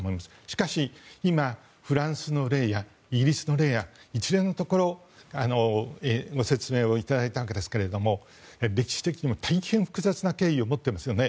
しかし、今、フランスの例やイギリスの例や一連のところご説明をいただいたわけですが歴史的にも大変複雑な経緯を持っていますよね。